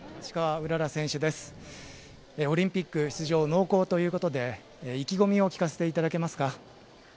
オリンピック出場濃厚ということで、意気込みを聞かせていただけますか？